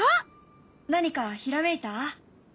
何かひらめいた？